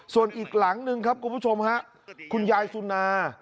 ส่วนอีกหลังหนึ่งครับคุณผู้ชมฮะคุณยายสุนา